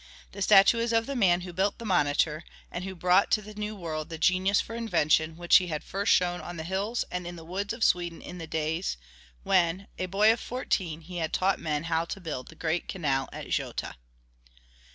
The statue is of the man who built the Monitor, and who brought to the new world the genius for invention which he had first shown on the hills and in the woods of Sweden in the days when, a boy of fourteen, he had taught men how to build the great canal at Göta.